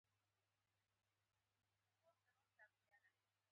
په وروسته پاتې بنسټونو کې ځمکې مشترک ملکیت لري.